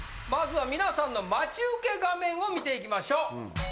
まずは皆さんの待ち受け画面を見ていきましょう。